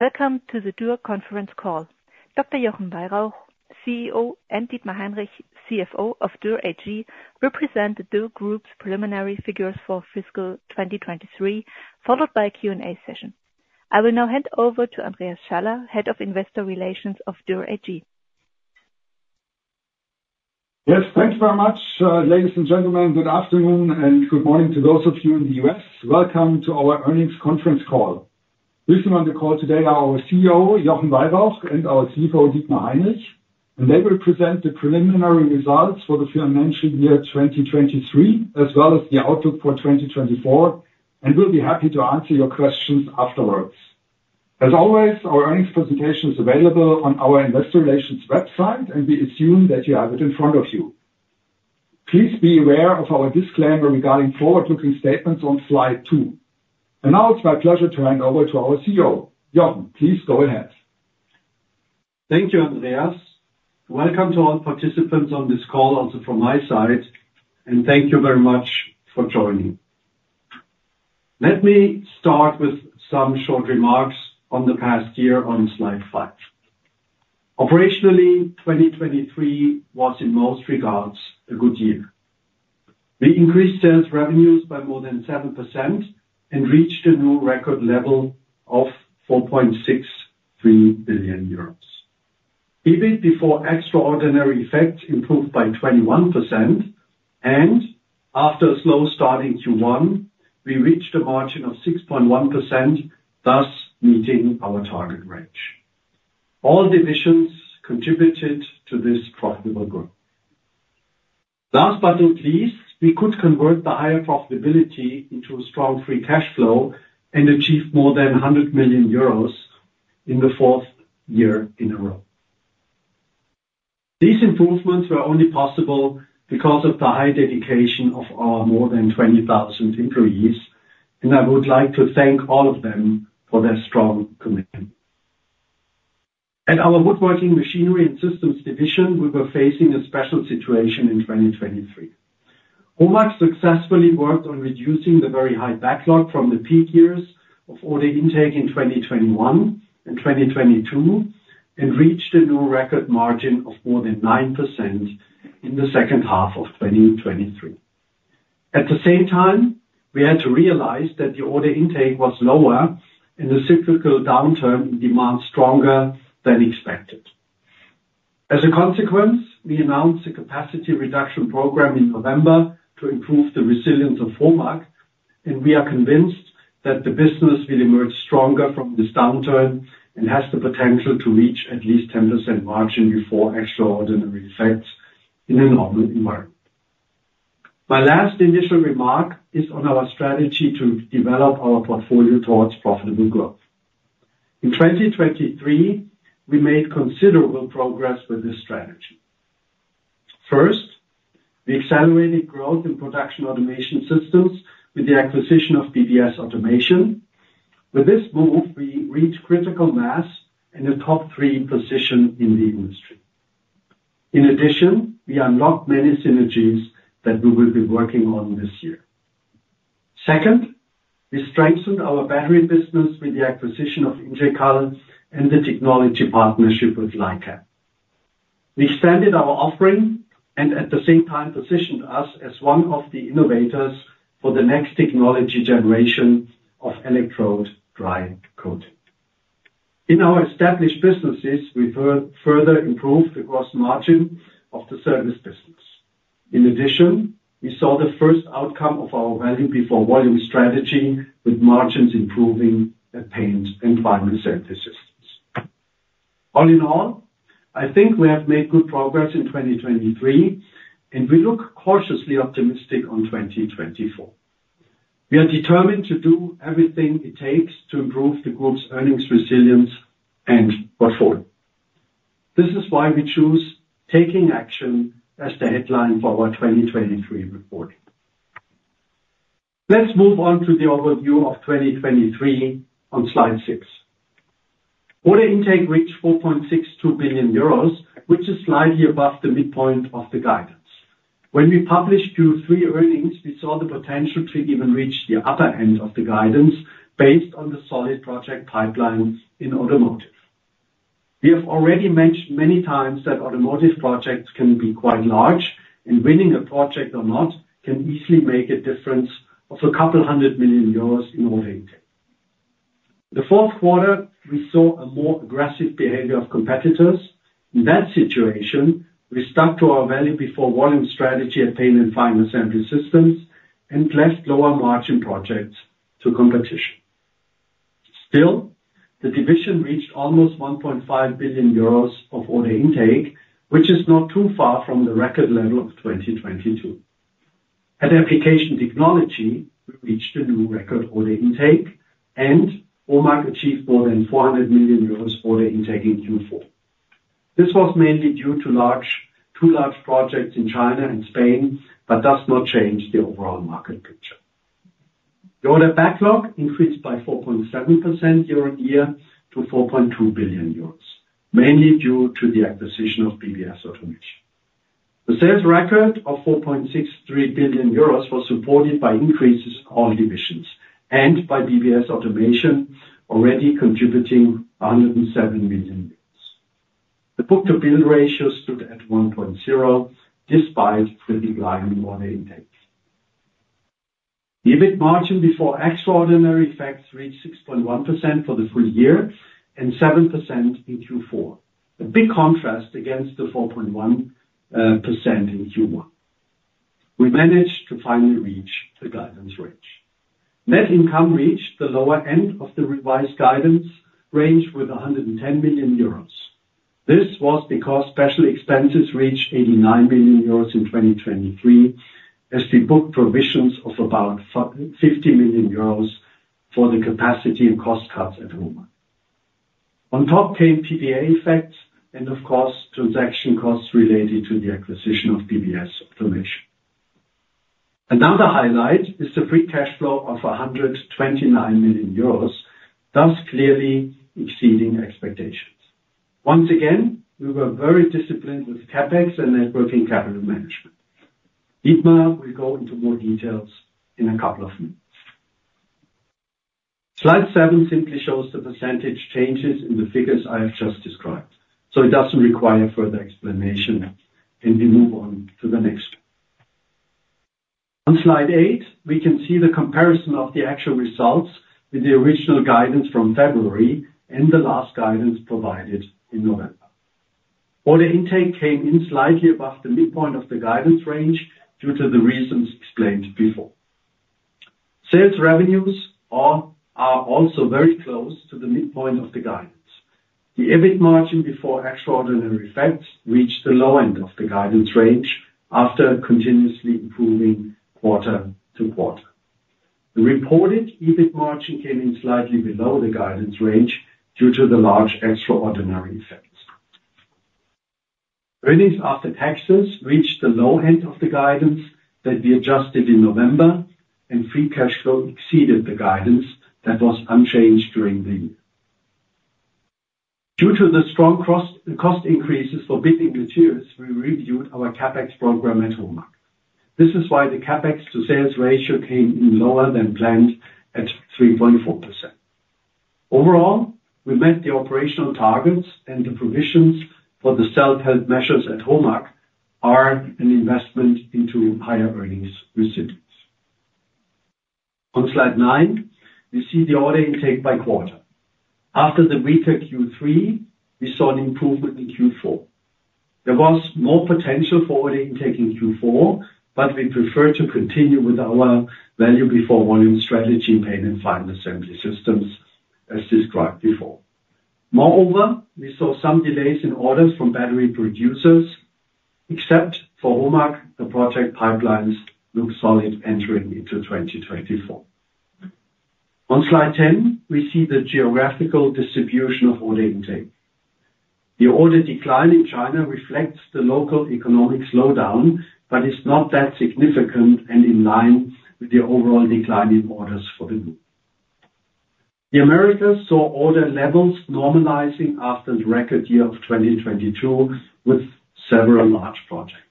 Welcome to the Dürr Conference call. Dr. Jochen Weyrauch, CEO, and Dietmar Heinrich, CFO of Dürr AG, represent the Dürr Group's preliminary figures for fiscal 2023, followed by a Q&A session. I will now hand over to Andreas Schaller, Head of Investor Relations of Dürr AG. Yes, thank you very much. Ladies and gentlemen, good afternoon and good morning to those of you in the US. Welcome to our earnings conference call. Present on the call today are our CEO, Jochen Weyrauch, and our CFO, Dietmar Heinrich. They will present the preliminary results for the financial year 2023 as well as the outlook for 2024, and we'll be happy to answer your questions afterwards. As always, our earnings presentation is available on our investor relations website, and we assume that you have it in front of you. Please be aware of our disclaimer regarding forward-looking statements on slide 2. Now it's my pleasure to hand over to our CEO. Jochen, please go ahead. Thank you, Andreas. Welcome to all participants on this call also from my side, and thank you very much for joining. Let me start with some short remarks on the past year on slide 5. Operationally, 2023 was, in most regards, a good year. We increased sales revenues by more than 7% and reached a new record level of 4.63 billion euros. EBIT before extraordinary effect improved by 21%, and after a slow start in Q1, we reached a margin of 6.1%, thus meeting our target range. All divisions contributed to this profitable growth. Last but not least, we could convert the higher profitability into a strong free cash flow and achieve more than 100 million euros in the fourth year in a row. These improvements were only possible because of the high dedication of our more than 20,000 employees, and I would like to thank all of them for their strong commitment. At our woodworking machinery and systems division, we were facing a special situation in 2023. HOMAG successfully worked on reducing the very high backlog from the peak years of order intake in 2021 and 2022 and reached a new record margin of more than 9% in the second half of 2023. At the same time, we had to realize that the order intake was lower and the cyclical downturn in demand stronger than expected. As a consequence, we announced a capacity reduction program in November to improve the resilience of HOMAG, and we are convinced that the business will emerge stronger from this downturn and has the potential to reach at least 10% margin before extraordinary effects in a normal environment. My last initial remark is on our strategy to develop our portfolio towards profitable growth. In 2023, we made considerable progress with this strategy. First, we accelerated growth in production automation systems with the acquisition of BBS Automation. With this move, we reached critical mass and a top three position in the industry. In addition, we unlocked many synergies that we will be working on this year. Second, we strengthened our battery business with the acquisition of Ingecal and the technology partnership with LiCAP. We expanded our offering and, at the same time, positioned us as one of the innovators for the next technology generation of electrode dry coating. In our established businesses, we further improved the gross margin of the service business. In addition, we saw the first outcome of our value before volume strategy margins improving at Paint and Final Assembly Systems. All in all, I think we have made good progress in 2023, and we look cautiously optimistic on 2024. We are determined to do everything it takes to improve the group's earnings resilience and portfolio. This is why we choose "Taking Action" as the headline for our 2023 report. Let's move on to the overview of 2023 on slide 6. Order intake reached 4.62 billion euros, which is slightly above the midpoint of the guidance. When we published Q3 earnings, we saw the potential to even reach the upper end of the guidance based on the solid project pipeline in automotive. We have already mentioned many times that automotive projects can be quite large, and winning a project or not can easily make a difference of a couple hundred million EUR in order intake. The fourth quarter, we saw a more aggressive behavior of competitors. In that situation, we stuck to our value Paint and Final Assembly Systems and left lower margin projects to competition. Still, the division reached almost 1.5 billion euros of order intake, which is not too far from the record level of 2022. At application technology, we reached a new record order intake, and HOMAG achieved more than 400 million euros order intake in Q4. This was mainly due to two large projects in China and Spain, but does not change the overall market picture. The order backlog increased by 4.7% year-over-year to 4.2 billion euros, mainly due to the acquisition of BBS Automation. The sales record of 4.63 billion euros was supported by increases in all divisions and by BBS Automation, already contributing 107 million. The book-to-bill ratio stood at 1.0 despite the decline in order intake. The EBIT margin before extraordinary effects reached 6.1% for the full year and 7% in Q4, a big contrast against the 4.1% in Q1. We managed to finally reach the guidance range. Net income reached the lower end of the revised guidance range with 110 million euros. This was because special expenses reached 89 million euros in 2023, as we booked provisions of about 50 million euros for the capacity and cost cuts at HOMAG. On top came PPA effects and, of course, transaction costs related to the acquisition of BBS Automation. Another highlight is the free cash flow of 129 million euros, thus clearly exceeding expectations. Once again, we were very disciplined with CAPEX and net working capital management. Dietmar will go into more details in a couple of minutes. Slide 7 simply shows the percentage changes in the figures I have just described, so it doesn't require further explanation, and we move on to the next one. On slide 8, we can see the comparison of the actual results with the original guidance from February and the last guidance provided in November. Order intake came in slightly above the midpoint of the guidance range due to the reasons explained before. Sales revenues are also very close to the midpoint of the guidance. The EBIT margin before extraordinary effects reached the low end of the guidance range after continuously improving quarter to quarter. The reported EBIT margin came in slightly below the guidance range due to the large extraordinary effects. Earnings after taxes reached the low end of the guidance that we adjusted in November, and free cash flow exceeded the guidance that was unchanged during the year. Due to the strong cost increases for building materials, we reviewed our CAPEX program at HOMAG. This is why the CAPEX-to-sales ratio came in lower than planned at 3.4%. Overall, we met the operational targets, and the provisions for the self-help measures at HOMAG are an investment into higher earnings resilience. On slide 9, we see the order intake by quarter. After the weaker Q3, we saw an improvement in Q4. There was more potential for order intake in Q4, but we preferred to continue with our value before volume strategy in Paint and Final Assembly Systems, as described before. Moreover, we saw some delays in orders from battery producers. Except for HOMAG, the project pipelines look solid entering into 2024. On slide 10, we see the geographical distribution of order intake. The order decline in China reflects the local economic slowdown but is not that significant and in line with the overall decline in orders for the group. The Americas saw order levels normalizing after the record year of 2022 with several large projects.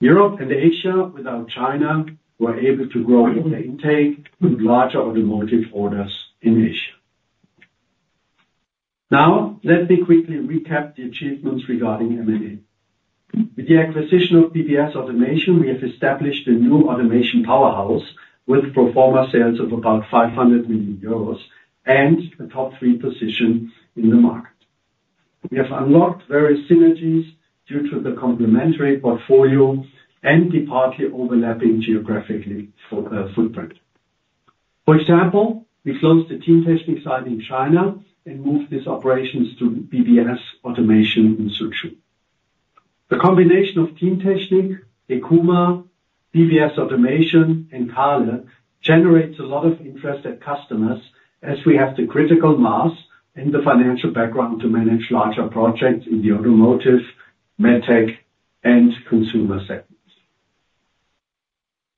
Europe and Asia, without China, were able to grow order intake with larger automotive orders in Asia. Now, let me quickly recap the achievements regarding M&A. With the acquisition of BBS Automation, we have established a new automation powerhouse with pro forma sales of about 500 million euros and a top three position in the market. We have unlocked various synergies due to the complementary portfolio and the partly overlapping geographic footprint. For example, we closed the Teamtechnik site in China and moved these operations to BBS Automation in Suzhou. The combination of Teamtechnik, HEKUMA, BBS Automation, and Ingecal generates a lot of interest at customers as we have the critical mass and the financial background to manage larger projects in the automotive, medtech, and consumer segments.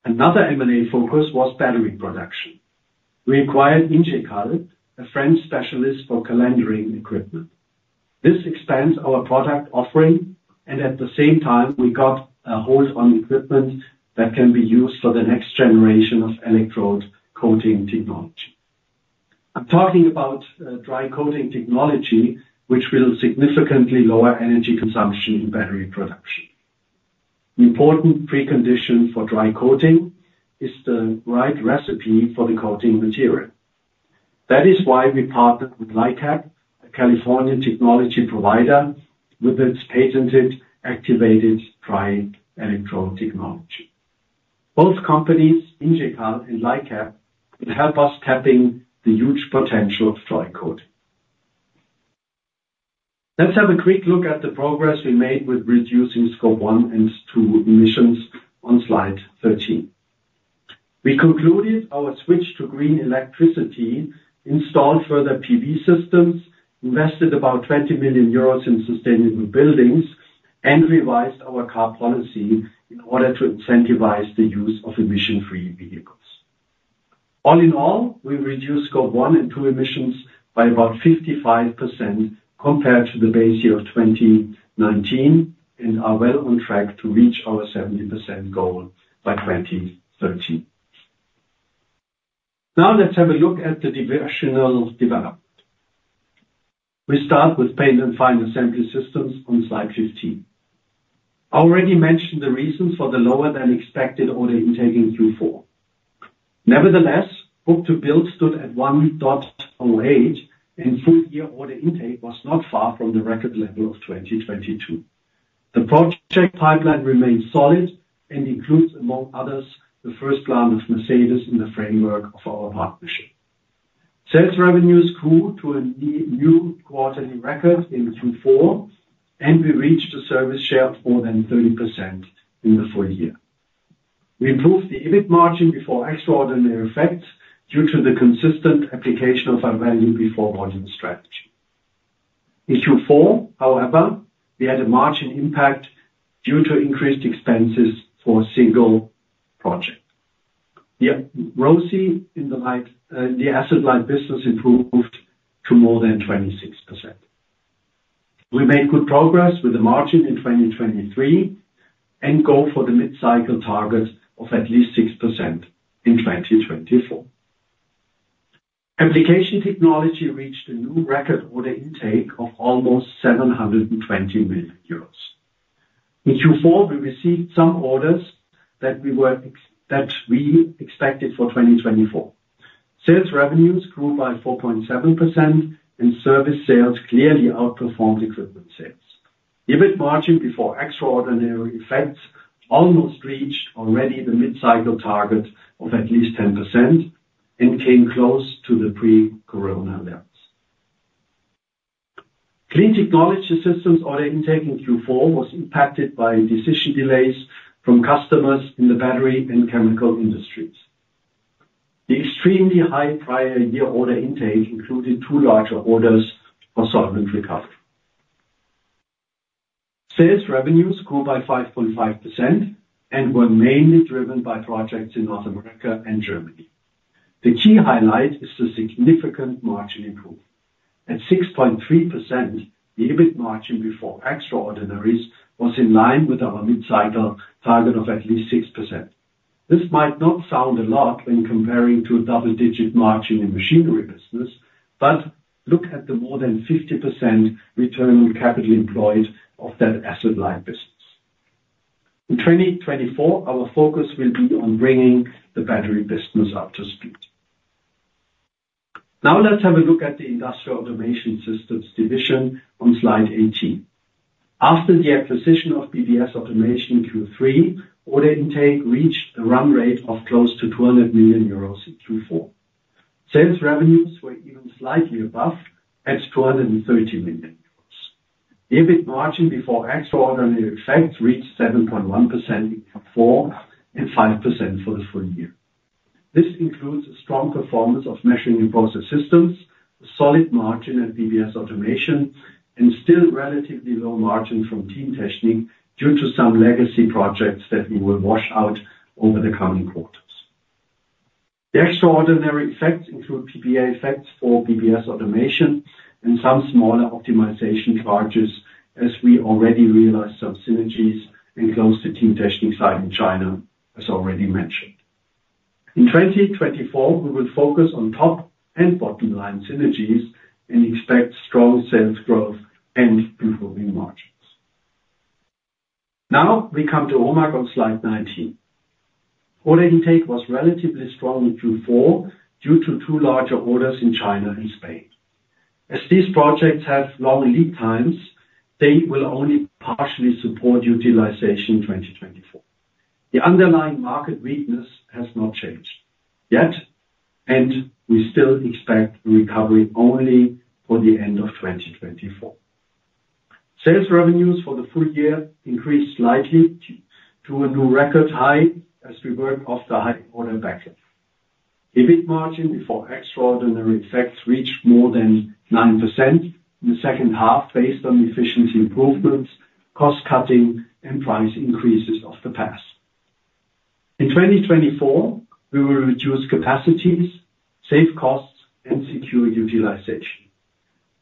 Another M&A focus was battery production. We acquired Ingecal, a French specialist for calendering equipment. This expands our product offering, and at the same time, we got a hold on equipment that can be used for the next generation of electrode coating technology. I'm talking about dry coating technology, which will significantly lower energy consumption in battery production. An important precondition for dry coating is the right recipe for the coating material. That is why we partnered with LiCAP, a California technology provider, with its patented activated dry electrode technology. Both companies, Ingecal and LiCAP, will help us tapping the huge potential of dry coating. Let's have a quick look at the progress we made with reducing scope 1 and 2 emissions on slide 13. We concluded our switch to green electricity, installed further PV systems, invested about 20 million euros in sustainable buildings, and revised our car policy in order to incentivize the use of emission-free vehicles. All in all, we reduced scope 1 and 2 emissions by about 55% compared to the base year of 2019 and are well on track to reach our 70% goal by 2030. Now, let's have a look at the divisional development. We start with Paint and Final Assembly Systems on slide 15. I already mentioned the reasons for the lower-than-expected order intake in Q4. Nevertheless, book-to-bill stood at 1.08, and full-year order intake was not far from the record level of 2022. The project pipeline remains solid and includes, among others, the first plant of Mercedes in the framework of our partnership. Sales revenues grew to a new quarterly record in Q4, and we reached a service share of more than 30% in the full year. We improved the EBIT margin before extraordinary effects due to the consistent application of our value before volume strategy. In Q4, however, we had a margin impact due to increased expenses for a single project. The asset-like business improved to more than 26%. We made good progress with the margin in 2023 and go for the mid-cycle target of at least 6% in 2024. Application technology reached a new record order intake of almost 720 million euros. In Q4, we received some orders that we expected for 2024. Sales revenues grew by 4.7%, and service sales clearly outperformed equipment sales. EBIT margin before extraordinary effects almost reached already the mid-cycle target of at least 10% and came close to the pre-Corona levels. Clean technology systems order intake in Q4 was impacted by decision delays from customers in the battery and chemical industries. The extremely high prior year order intake included two larger orders for solvent recovery. Sales revenues grew by 5.5% and were mainly driven by projects in North America and Germany. The key highlight is the significant margin improvement. At 6.3%, the EBIT margin before extraordinaries was in line with our mid-cycle target of at least 6%. This might not sound a lot when comparing to a double-digit margin in machinery business, but look at the more than 50% return on capital employed of that asset-like business. In 2024, our focus will be on bringing the battery business up to speed. Now, let's have a look at the Industrial Automation Systems division on slide 18. After the acquisition of BBS Automation in Q3, order intake reached a run rate of close to 200 million euros in Q4. Sales revenues were even slightly above at 230 million euros. The EBIT margin before extraordinary effects reached 7.1% in Q4 and 5% for the full year. This includes a strong performance of Measuring and Process Systems, a solid margin at BBS Automation, and still relatively low margin from teamtechnik due to some legacy projects that we will wash out over the coming quarters. The extraordinary effects include PPA effects for BBS Automation and some smaller optimization charges, as we already realized some synergies and closed the teamtechnik side in China, as already mentioned. In 2024, we will focus on top and bottom-line synergies and expect strong sales growth and improving margins. Now, we come to HOMAG on slide 19. Order intake was relatively strong in Q4 due to two larger orders in China and Spain. As these projects have long lead times, they will only partially support utilization in 2024. The underlying market weakness has not changed yet, and we still expect recovery only for the end of 2024. Sales revenues for the full year increased slightly to a new record high as we worked off the high order backlog. EBIT margin before extraordinary effects reached more than 9% in the second half based on efficiency improvements, cost cutting, and price increases of the past. In 2024, we will reduce capacities, save costs, and secure utilization.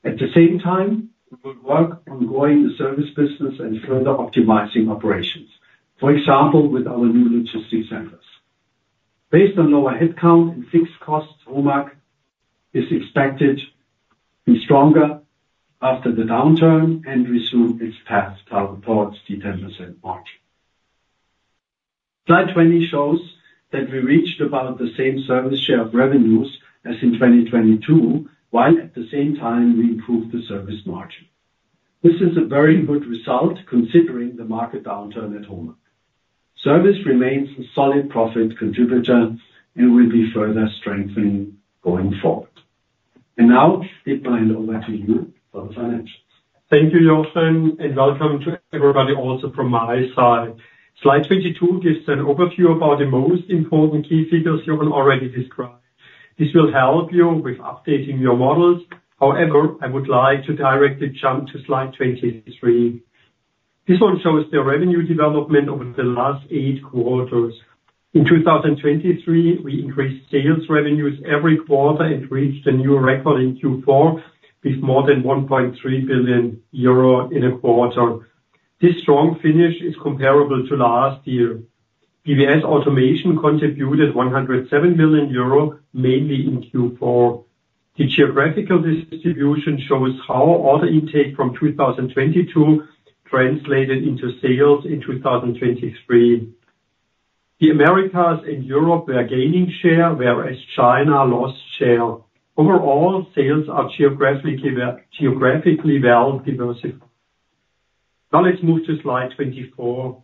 At the same time, we will work on growing the service business and further optimizing operations, for example, with our new logistics centers. Based on lower headcount and fixed costs, HOMAG is expected to be stronger after the downturn and resume its path towards the 10% margin. Slide 20 shows that we reached about the same service share of revenues as in 2022 while at the same time we improved the service margin. This is a very good result considering the market downturn at HOMAG. Service remains a solid profit contributor and will be further strengthening going forward. And now, Dietmar, I'll hand over to you for the financials. Thank you, Jochen, and welcome to everybody also from my side. Slide 22 gives an overview about the most important key figures Jochen already described. This will help you with updating your models. However, I would like to directly jump to Slide 23. This one shows the revenue development over the last eight quarters. In 2023, we increased sales revenues every quarter and reached a new record in Q4 with more than 1.3 billion euro in a quarter. This strong finish is comparable to last year. BBS Automation contributed 107 million euro mainly in Q4. The geographical distribution shows how order intake from 2022 translated into sales in 2023. The Americas and Europe were gaining share, whereas China lost share. Overall, sales are geographically well diversified. Now, let's move to slide 24.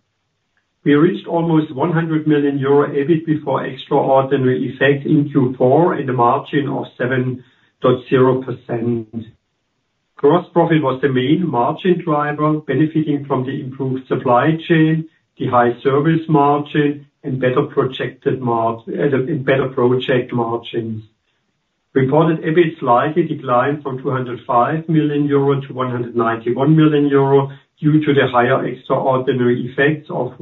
We reached almost 100 million euro EBIT before extraordinary effects in Q4 and a margin of 7.0%. Gross profit was the main margin driver, benefiting from the improved supply chain, the high service margin, and better projected margins. Reported EBIT slightly declined from 205 million euro to 191 million euro due to the higher extraordinary effects of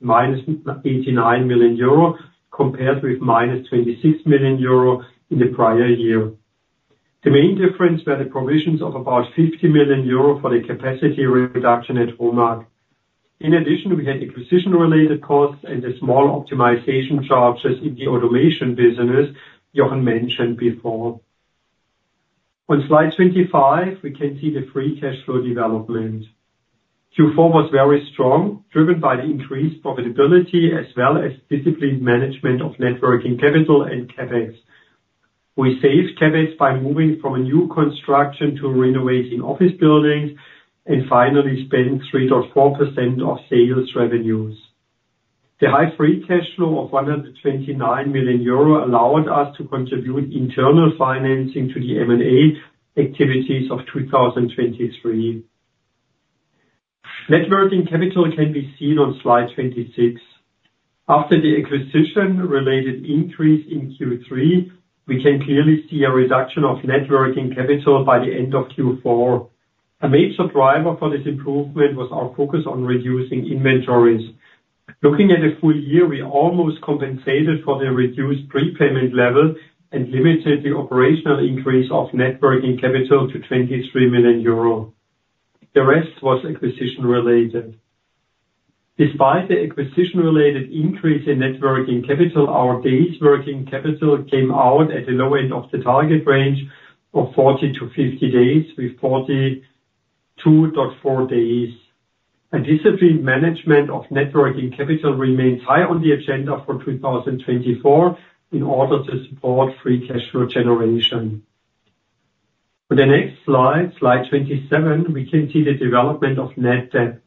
minus 89 million euro compared with minus 26 million euro in the prior year. The main difference were the provisions of about 50 million euro for the capacity reduction at HOMAG. In addition, we had acquisition-related costs and the small optimization charges in the automation business Jochen mentioned before. On slide 25, we can see the free cash flow development. Q4 was very strong, driven by the increased profitability as well as disciplined management of net working capital and CapEx. We saved CapEx by moving from a new construction to renovating office buildings and finally spent 3.4% of sales revenues. The high free cash flow of 129 million euro allowed us to contribute internal financing to the M&A activities of 2023. Net working capital can be seen on slide 26. After the acquisition-related increase in Q3, we can clearly see a reduction of net working capital by the end of Q4. A major driver for this improvement was our focus on reducing inventories. Looking at the full year, we almost compensated for the reduced prepayment level and limited the operational increase of net working capital to 23 million euro. The rest was acquisition-related. Despite the acquisition-related increase in net working capital, our days' working capital came out at the low end of the target range of 40-50 days with 42.4 days. A disciplined management of net working capital remains high on the agenda for 2024 in order to support free cash flow generation. On the next slide, slide 27, we can see the development of net debt.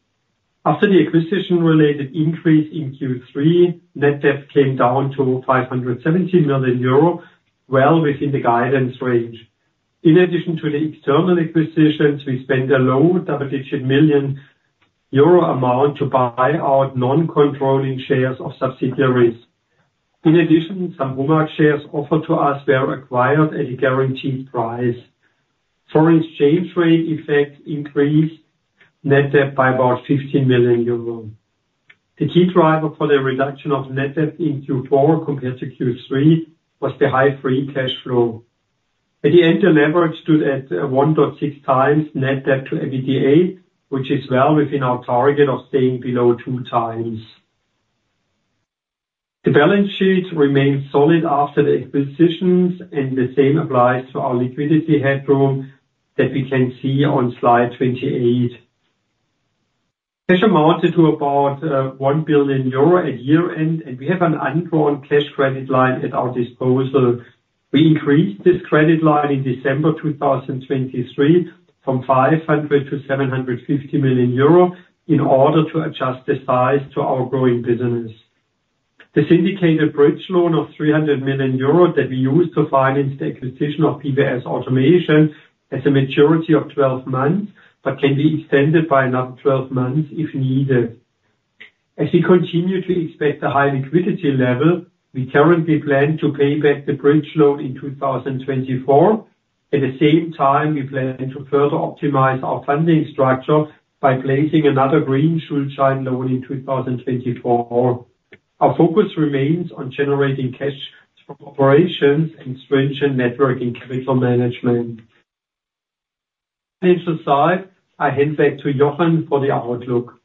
After the acquisition-related increase in Q3, net debt came down to 570 million euro, well within the guidance range. In addition to the external acquisitions, we spent a low double-digit million EUR amount to buy out non-controlling shares of subsidiaries. In addition, some HOMAG shares offered to us were acquired at a guaranteed price. Foreign exchange rate effect increased net debt by about 15 million euros. The key driver for the reduction of net debt in Q4 compared to Q3 was the high free cash flow. At the end, the leverage stood at 1.6 times net debt to EBITDA, which is well within our target of staying below two times. The balance sheet remained solid after the acquisitions, and the same applies to our liquidity headroom that we can see on slide 28. Cash amounted to about 1 billion euro at year-end, and we have an undrawn cash credit line at our disposal. We increased this credit line in December 2023 from 500 million to 750 million euro in order to adjust the size to our growing business. The syndicated bridge loan of 300 million euros that we used to finance the acquisition of PVS Automation has a maturity of 12 months but can be extended by another 12 months if needed. As we continue to expect a high liquidity level, we currently plan to pay back the bridge loan in 2024. At the same time, we plan to further optimize our funding structure by placing another green Schuldschein loan in 2024. Our focus remains on generating cash from operations and strengthening net working capital management. Financial side, I hand back to Jochen for the outlook.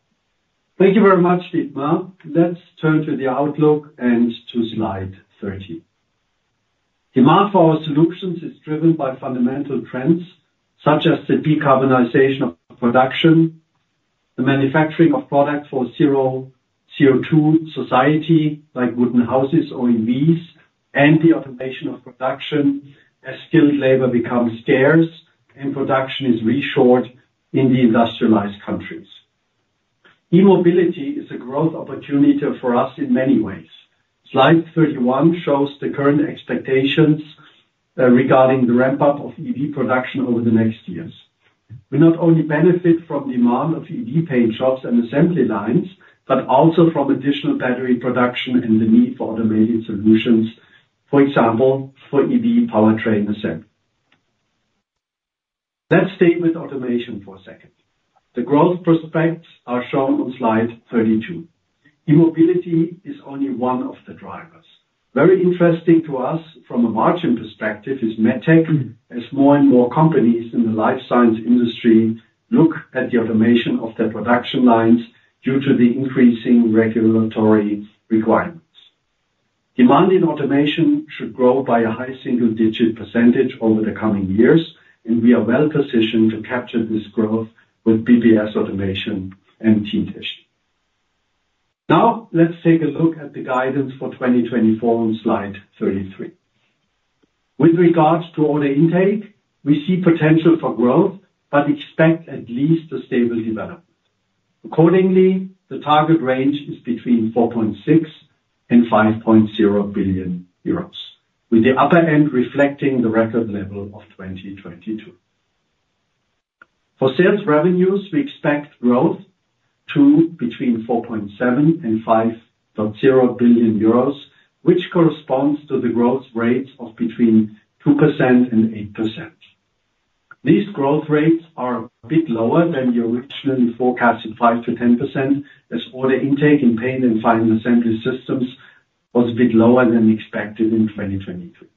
Thank you very much, Dietmar. Let's turn to the outlook and to slide 30. Demand for our solutions is driven by fundamental trends such as the decarbonization of production, the manufacturing of products for a zero-CO2 society like wooden houses or in EVs, and the automation of production as skilled labor becomes scarce and production is reshored in the industrialized countries. E-mobility is a growth opportunity for us in many ways. Slide 31 shows the current expectations regarding the ramp-up of EV production over the next years. We not only benefit from demand of EV paint jobs and assembly lines but also from additional battery production and the need for automated solutions, for example, for EV powertrain assembly. Let's stay with automation for a second. The growth prospects are shown on Slide 32. E-mobility is only one of the drivers. Very interesting to us from a margin perspective is MedTech as more and more companies in the life science industry look at the automation of their production lines due to the increasing regulatory requirements. Demand in automation should grow by a high single-digit percentage over the coming years, and we are well positioned to capture this growth with BBS Automation and teamtechnik. Now, let's take a look at the guidance for 2024 on slide 33. With regards to order intake, we see potential for growth but expect at least a stable development. Accordingly, the target range is between 4.6 billion-5.0 billion euros, with the upper end reflecting the record level of 2022. For sales revenues, we expect growth to between 4.7 billion-5.0 billion euros, which corresponds to the growth rates of between 2%-8%. These growth rates are a bit lower than the originally forecasted 5%-10% as order intake in Paint and Final Assembly Systems was a bit lower than expected in 2023.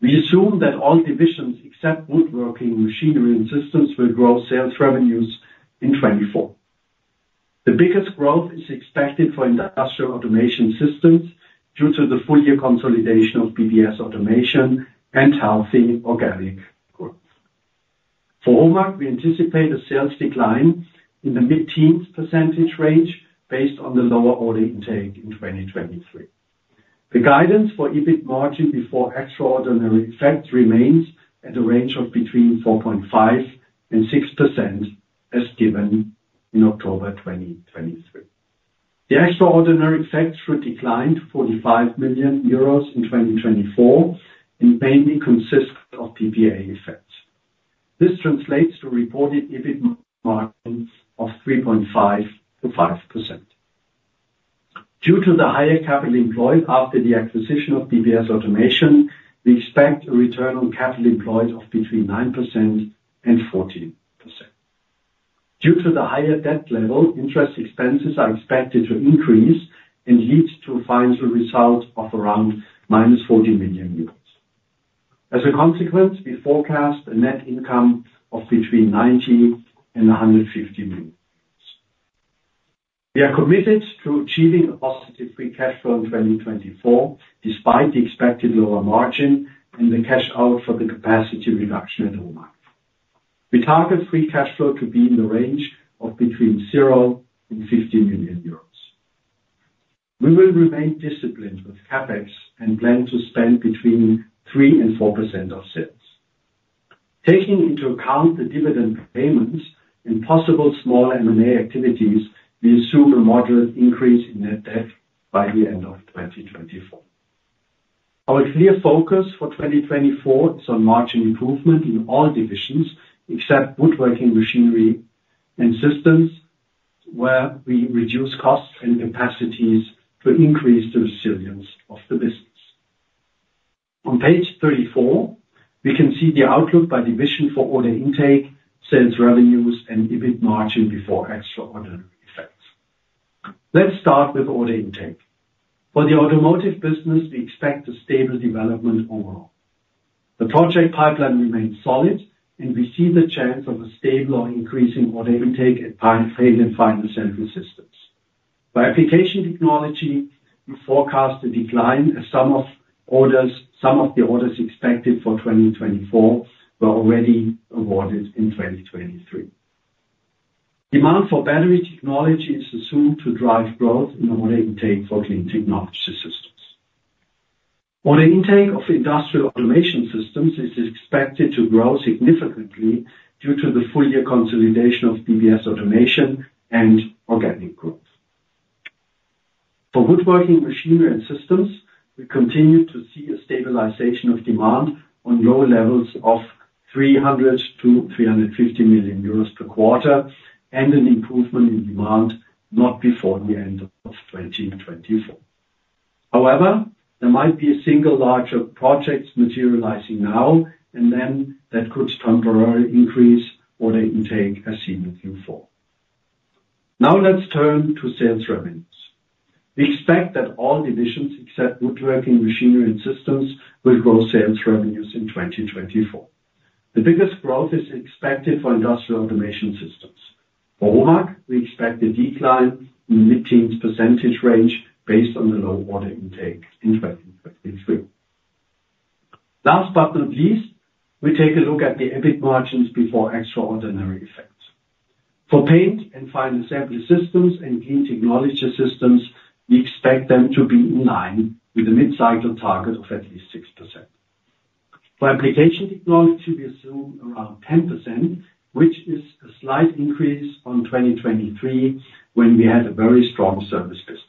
We assume that all divisions except woodworking, machinery, and systems will grow sales revenues in 2024. The biggest growth is expected for industrial automation systems due to the full-year consolidation of BBS Automation and healthy organic growth. For HOMAG, we anticipate a sales decline in the mid-teens percentage range based on the lower order intake in 2023. The guidance for EBIT margin before extraordinary effects remains at a range of between 4.5%-6% as given in October 2023. The extraordinary effects should decline to 45 million euros in 2024 and mainly consist of PPA effects. This translates to reported EBIT margin of 3.5%-5%. Due to the higher capital employed after the acquisition of BBS Automation, we expect a return on capital employed of between 9% and 14%. Due to the higher debt level, interest expenses are expected to increase and lead to a financial result of around -40 million euros. As a consequence, we forecast a net income of between 90 million and 150 million euros. We are committed to achieving a positive free cash flow in 2024 despite the expected lower margin and the cash out for the capacity reduction at HOMAG. We target free cash flow to be in the range of between 0 million and 50 million euros. We will remain disciplined with CapEx and plan to spend between 3% and 4% of sales. Taking into account the dividend payments and possible smaller M&A activities, we assume a moderate increase in net debt by the end of 2024. Our clear focus for 2024 is on margin improvement in all divisions except Woodworking Machinery and Systems where we reduce costs and capacities to increase the resilience of the business. On page 34, we can see the outlook by division for order intake, sales revenues, and EBIT margin before extraordinary effects. Let's start with order intake. For the automotive business, we expect a stable development overall. The project pipeline remains solid, and we see the chance of a stable or increasing order intake at Paint and Final Assembly Systems. For Application Technology, we forecast a decline as some of the orders expected for 2024 were already awarded in 2023. Demand for battery technology is assumed to drive growth in order intake for Clean Technology Systems. Order intake of Industrial Automation Systems is expected to grow significantly due to the full-year consolidation of BBS Automation and organic growth. For woodworking, machinery, and systems, we continue to see a stabilization of demand on low levels of 300 million-350 million euros per quarter and an improvement in demand not before the end of 2024. However, there might be a single larger project materializing now and then that could temporarily increase order intake as seen in Q4. Now, let's turn to sales revenues. We expect that all divisions except woodworking, machinery, and systems will grow sales revenues in 2024. The biggest growth is expected for industrial automation systems. For HOMAG, we expect a decline in the mid-teens percentage range based on the low order intake in 2023. Last but not least, we take a look at the EBIT margins before extraordinary effects. For Paint and Final Assembly Systems and clean technology systems, we expect them to be in line with the mid-cycle target of at least 6%. For application technology, we assume around 10%, which is a slight increase on 2023 when we had a very strong service business.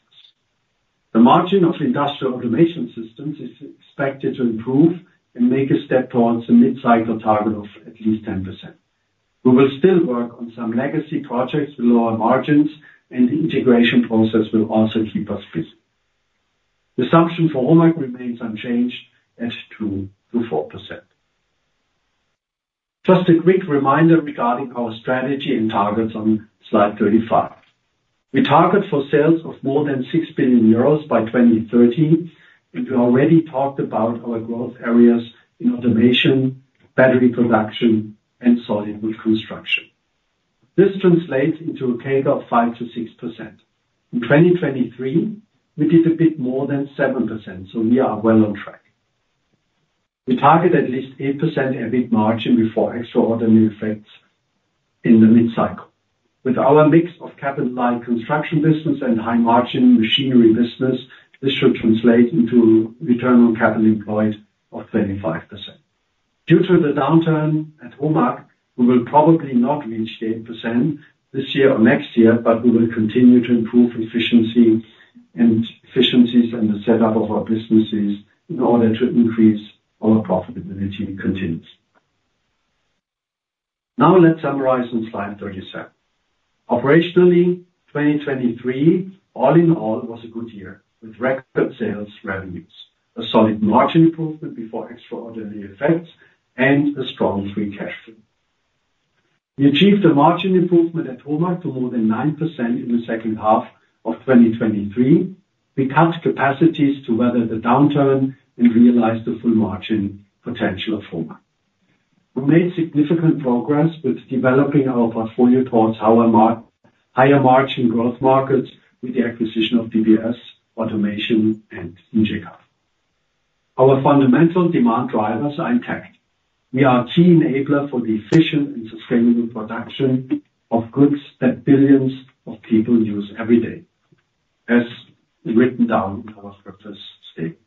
The margin of industrial automation systems is expected to improve and make a step towards the mid-cycle target of at least 10%. We will still work on some legacy projects with lower margins, and the integration process will also keep us busy. The assumption for HOMAG remains unchanged at 2%-4%. Just a quick reminder regarding our strategy and targets on slide 35. We target for sales of more than 6 billion euros by 2030, and we already talked about our growth areas in automation, battery production, and solid wood construction. This translates into a CAGR of 5%-6%. In 2023, we did a bit more than 7%, so we are well on track. We target at least 8% EBIT margin before extraordinary effects in the mid-cycle. With our mix of capital-light construction business and high-margin machinery business, this should translate into a return on capital employed of 25%. Due to the downturn at HOMAG, we will probably not reach the 8% this year or next year, but we will continue to improve efficiencies and the setup of our businesses in order to increase our profitability continuously. Now, let's summarize on slide 37. Operationally, 2023, all in all, was a good year with record sales revenues, a solid margin improvement before extraordinary effects, and a strong free cash flow. We achieved a margin improvement at HOMAG to more than 9% in the second half of 2023. We cut capacities to weather the downturn and realized the full margin potential of HOMAG. We made significant progress with developing our portfolio towards higher margin growth markets with the acquisition of BBS Automation and Ingecal. Our fundamental demand drivers are intact. We are a key enabler for the efficient and sustainable production of goods that billions of people use every day, as written down in our purpose statement.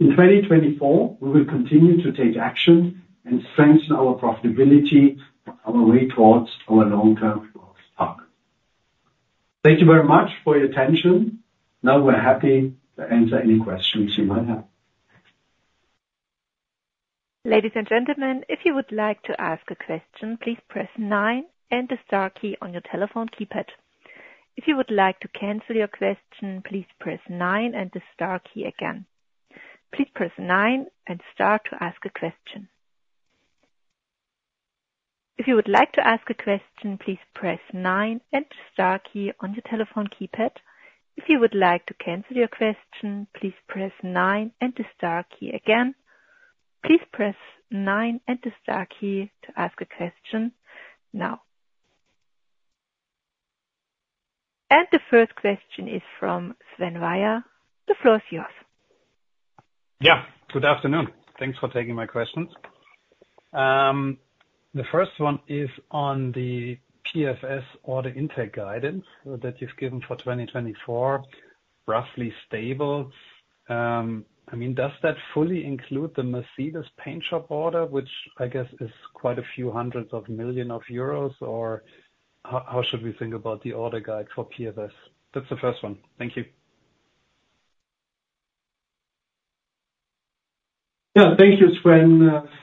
In 2024, we will continue to take action and strengthen our profitability on our way towards our long-term growth target. Thank you very much for your attention. Now, we're happy to answer any questions you might have. Ladies and gentlemen, if you would like to ask a question, please press nine and the star key on your telephone keypad. If you would like to cancel your question, please press nine and the star key again. Please press 9 and star to ask a question. If you would like to ask a question, please press nine and the star key on your telephone keypad. If you would like to cancel your question, please press nine and the star key again. Please press nine and the star key to ask a question now. And the first question is from Sven Weier. The floor is yours. Yeah. Good afternoon. Thanks for taking my questions. The first one is on the PFS order intake guidance that you've given for 2024, roughly stable. I mean, does that fully include the Mercedes paint job order, which I guess is quite a few hundreds of million of euros, or how should we think about the order guide for PFS? That's the first one. Thank you. Yeah. Thank you, Sven,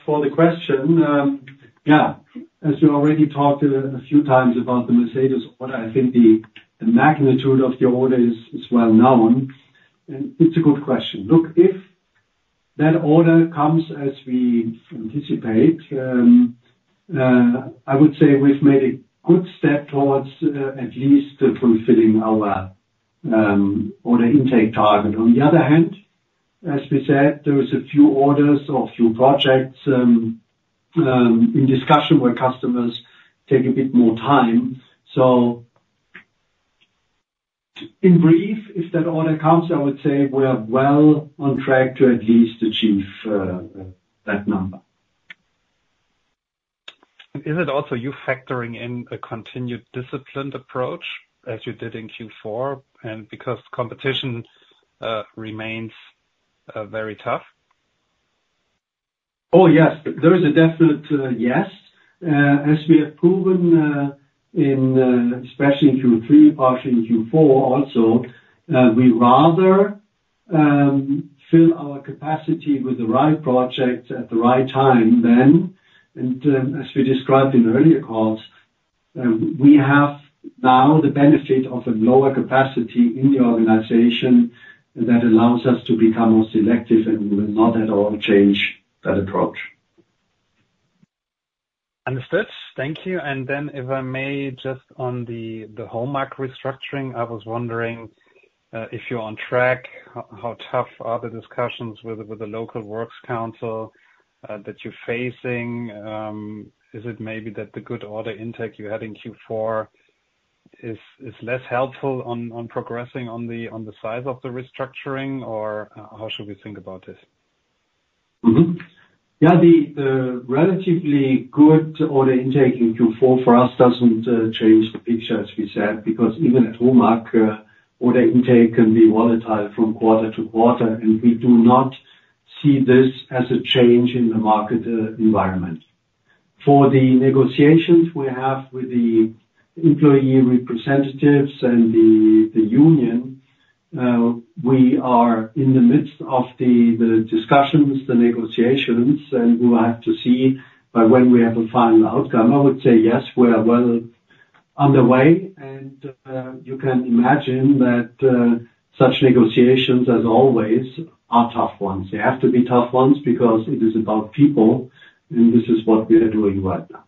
for the question. Yeah. As you already talked a few times about the Mercedes order, I think the magnitude of the order is well known. It's a good question. Look, if that order comes as we anticipate, I would say we've made a good step towards at least fulfilling our order intake target. On the other hand, as we said, there are a few orders or a few projects in discussion where customers take a bit more time. So in brief, if that order comes, I would say we're well on track to at least achieve that number. Is it also you factoring in a continued disciplined approach as you did in Q4 because competition remains very tough? Oh, yes. There is a definite yes. As we have proven, especially in Q3, partially in Q4 also, we rather fill our capacity with the right projects at the right time than. And as we described in earlier calls, we have now the benefit of a lower capacity in the organization that allows us to become more selective, and we will not at all change that approach. Understood. Thank you. And then, if I may, just on the HOMAG restructuring, I was wondering if you're on track, how tough are the discussions with the local works council that you're facing? Is it maybe that the good order intake you had in Q4 is less helpful on progressing on the size of the restructuring, or how should we think about this? Yeah. The relatively good order intake in Q4 for us doesn't change the picture, as we said, because even at HOMAG, order intake can be volatile from quarter to quarter, and we do not see this as a change in the market environment. For the negotiations we have with the employee representatives and the union, we are in the midst of the discussions, the negotiations, and we will have to see by when we have a final outcome. I would say, yes, we are well underway. And you can imagine that such negotiations, as always, are tough ones. They have to be tough ones because it is about people, and this is what we are doing right now.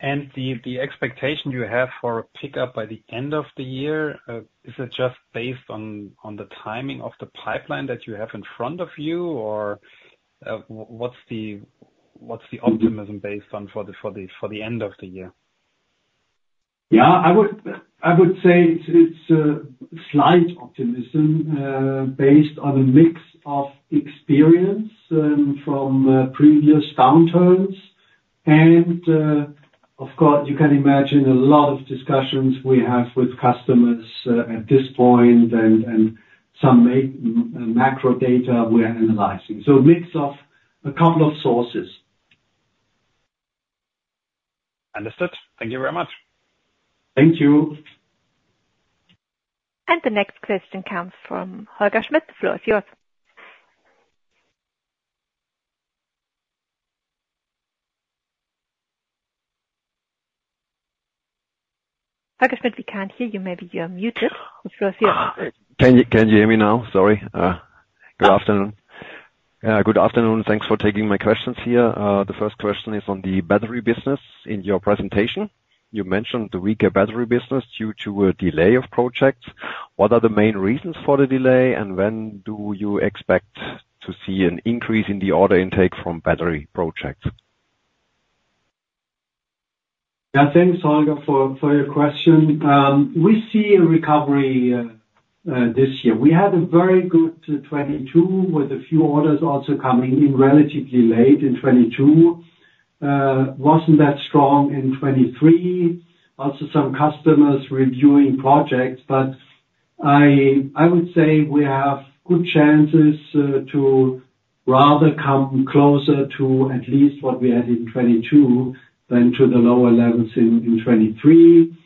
And the expectation you have for a pickup by the end of the year, is it just based on the timing of the pipeline that you have in front of you, or what's the optimism based on for the end of the year? Yeah. I would say it's a slight optimism based on a mix of experience from previous downturns. Of course, you can imagine a lot of discussions we have with customers at this point and some macro data we're analyzing. A mix of a couple of sources. Understood. Thank you very much. Thank you. The next question comes from Holger Schmidt. The floor is yours. Holger Schmidt, we can't hear you. Maybe you are muted. The floor is yours. Can you hear me now? Sorry. Good afternoon. Yeah. Good afternoon. Thanks for taking my questions here. The first question is on the battery business in your presentation. You mentioned the weaker battery business due to a delay of projects. What are the main reasons for the delay, and when do you expect to see an increase in the order intake from battery projects? Yeah. Thanks, Holger, for your question. We see a recovery this year. We had a very good 2022 with a few orders also coming in relatively late in 2022. It wasn't that strong in 2023. Also, some customers reviewing projects. But I would say we have good chances to rather come closer to at least what we had in 2022 than to the lower levels in 2023,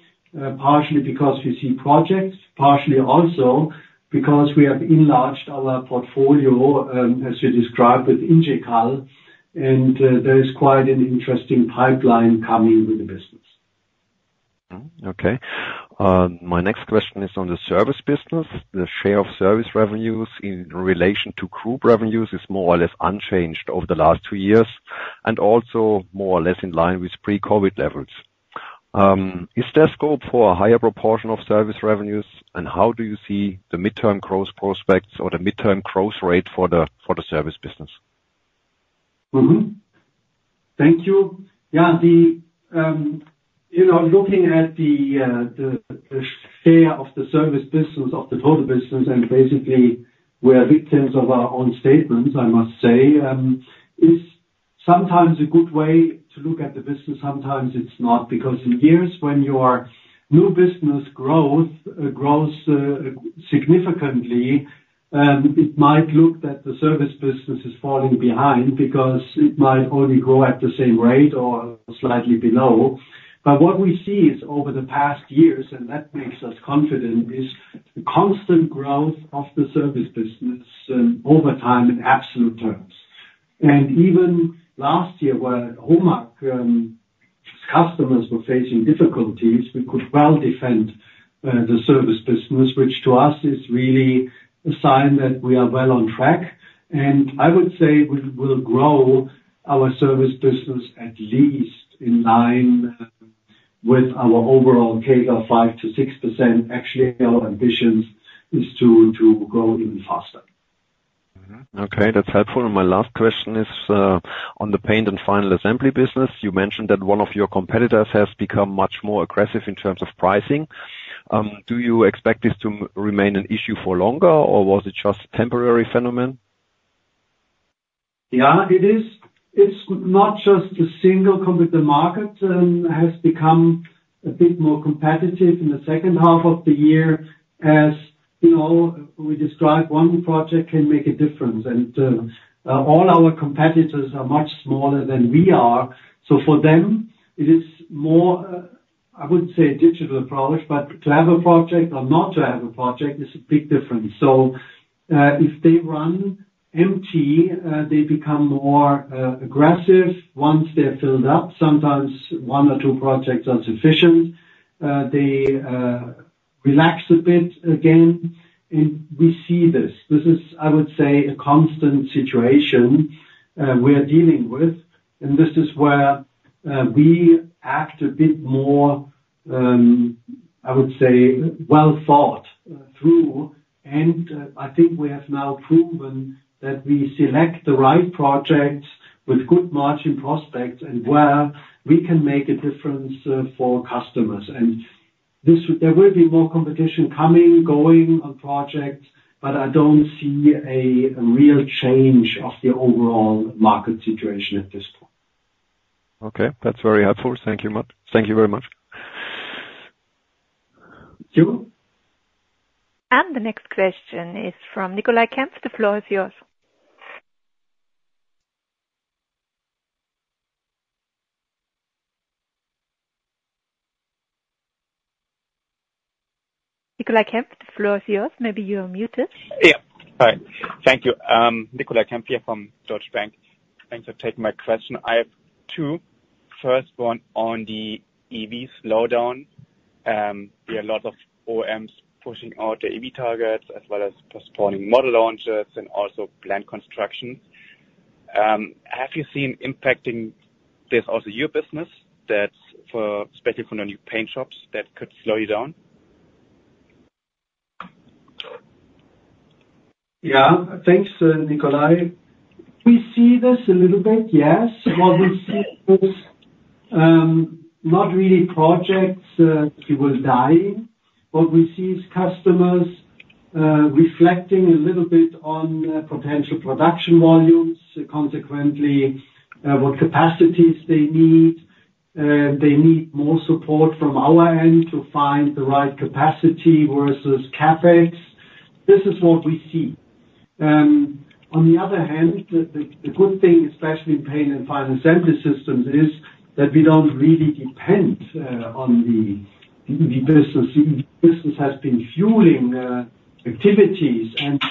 partially because we see projects, partially also because we have enlarged our portfolio, as you described, with Ingecal. And there is quite an interesting pipeline coming with the business. Okay. My next question is on the service business. The share of service revenues in relation to group revenues is more or less unchanged over the last two years and also more or less in line with pre-COVID levels. Is there scope for a higher proportion of service revenues, and how do you see the mid-term growth prospects or the mid-term growth rate for the service business? Thank you. Yeah. Looking at the share of the service business of the total business, and basically, we are victims of our own statements, I must say, is sometimes a good way to look at the business. Sometimes it's not because in years when your new business grows significantly, it might look that the service business is falling behind because it might only grow at the same rate or slightly below. But what we see is over the past years, and that makes us confident, is the constant growth of the service business over time in absolute terms. And even last year, where HOMAG's customers were facing difficulties, we could well defend the service business, which to us is really a sign that we are well on track. And I would say we will grow our service business at least in line with our overall CAGR of 5%-6%. Actually, our ambition is to grow even faster. Okay. That's helpful. And my last question is on the paint and final assembly business. You mentioned that one of your competitors has become much more aggressive in terms of pricing. Do you expect this to remain an issue for longer, or was it just a temporary phenomenon? Yeah, it is. It's not just a single competitor. The market has become a bit more competitive in the second half of the year as we described. One project can make a difference. And all our competitors are much smaller than we are. So for them, it is more, I wouldn't say, a digital approach, but to have a project or not to have a project is a big difference. So if they run empty, they become more aggressive. Once they're filled up, sometimes one or two projects are sufficient. They relax a bit again. And we see this. This is, I would say, a constant situation we're dealing with. And this is where we act a bit more, I would say, well thought through. And I think we have now proven that we select the right projects with good margin prospects and where we can make a difference for customers. And there will be more competition coming, going on projects, but I don't see a real change of the overall market situation at this point. Okay. That's very helpful. Thank you very much. Thank you. And the next question is from Nicolai Kempf. The floor is yours. Nicolai Kempf. The floor is yours. Maybe you are muted. Yeah. All right. Thank you. Nicolai Kempf here from Deutsche Bank. Thanks for taking my question. I have two. First one on the EV slowdown. There are a lot of OMs pushing out the EV targets as well as postponing model launches and also planned construction. Have you seen impacting this also your business, especially for the new paint jobs, that could slow you down? Yeah. Thanks, Nikolai. We see this a little bit, yes. What we see is not really projects that will die. What we see is customers reflecting a little bit on potential production volumes, consequently, what capacities they need. They need more support from our end to find the right capacity versus CAPEX. This is what we see. On the other hand, the good thing, especially in Paint and Final Assembly Systems, is that we don't really depend on the EV business. The EV business has been fueling activities and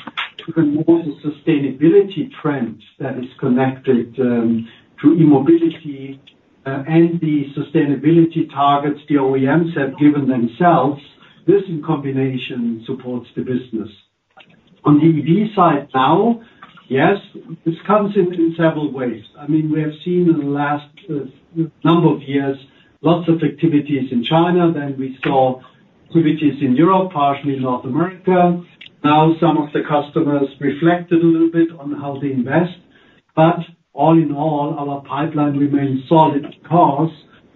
even more the sustainability trend that is connected to e-mobility. And the sustainability targets the OEMs have given themselves. This, in combination, supports the business. On the EV side now, yes, this comes in several ways. I mean, we have seen in the last number of years lots of activities in China. Then we saw activities in Europe, partially in North America. Now, some of the customers reflected a little bit on how they invest. But all in all, our pipeline remains solid because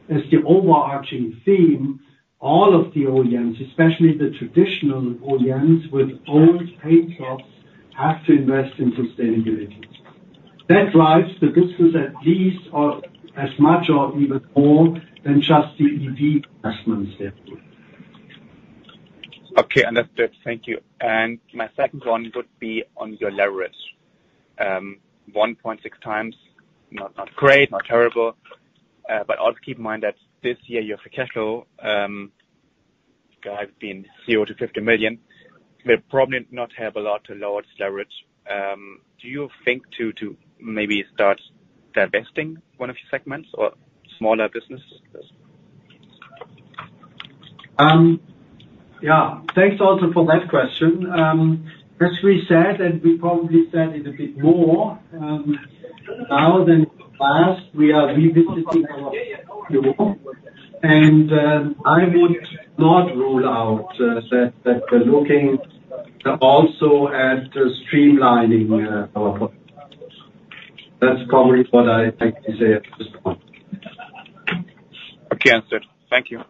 as the overarching theme, all of the OEMs, especially the traditional OEMs with old paint jobs, have to invest in sustainability. That drives the business at least as much or even more than just the EV investments they're doing. Okay. Understood. Thank you. My second one would be on your leverage. 1.6 times, not great, not terrible. But also keep in mind that this year, your cash flow has been 0-50 million. We'll probably not have a lot to lower its leverage. Do you think to maybe start divesting one of your segments or smaller businesses? Yeah. Thanks also for that question. As we said, and we probably said it a bit more now than in the past, we are revisiting our portfolio. I would not rule out that we're looking also at streamlining our portfolio. That's probably what I'd like to say at this point. Okay. Understood. Thank you.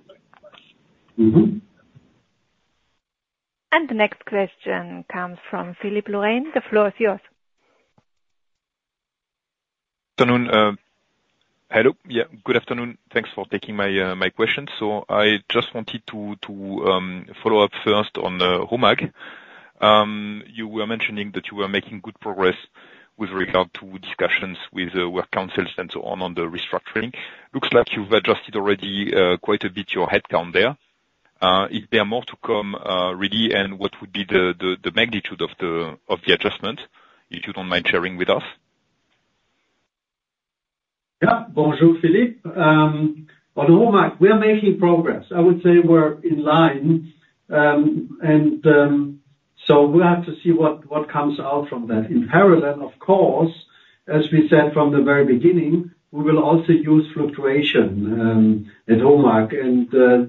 The next question comes from Philippe Lorrain. The floor is yours. Hello. Yeah. Good afternoon. Thanks for taking my questions. So I just wanted to follow up first on HOMAG. You were mentioning that you were making good progress with regard to discussions with work councils and so on on the restructuring. Looks like you've adjusted already quite a bit your headcount there. Is there more to come, really, and what would be the magnitude of the adjustment if you don't mind sharing with us? Yeah. Bonjour, Philippe. On HOMAG, we are making progress. I would say we're in line. So we'll have to see what comes out from that. In parallel, of course, as we said from the very beginning, we will also use fluctuation at HOMAG.